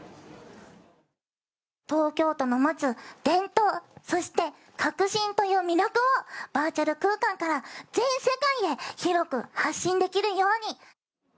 東京都の持つ伝統、そして革新という魅力を、バーチャル空間から全世界へ広く発信できるように。